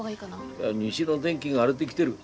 いや西の天気が荒れできてる。